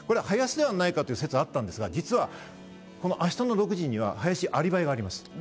林ではないかという説があったんですが、明日の６時には林はアリバイがあります。